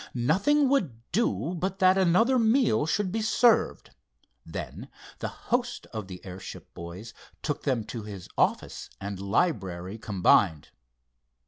Nothing would do but that another meal should be served. Then the host of the airship boys took them to his office and library combined.